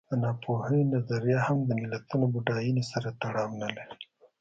د ناپوهۍ نظریه هم د ملتونو بډاینې سره تړاو نه لري.